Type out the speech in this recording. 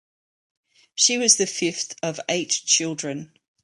She was the fifth of eight children.